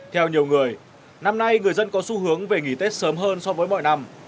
theo nhiều người năm nay người dân có xu hướng về nghỉ tết sớm hơn so với mọi năm